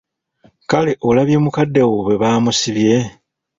Kale olabye mukadde wo bwe baamusibye!